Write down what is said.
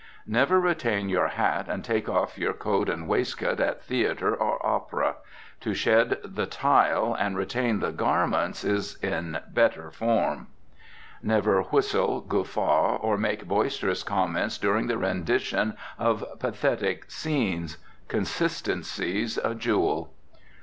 Never retain your hat and take off your coat and waistcoat at theater or opera. To shed the tile and retain the garments is in better form. Never whistle, guffaw or make boisterous comments during the rendition of pathetic scenes. Consistency's a jewel.